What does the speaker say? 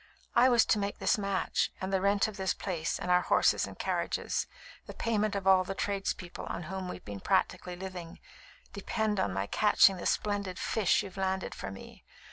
I was to make this match; and the rent of this place, and our horses and carriages, the payment of all the tradespeople on whom we've been practically living, depend on my catching the splendid 'fish' you've landed for me.